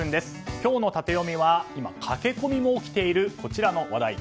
今日のタテヨミは今、駆け込みも起きているこちらの話題。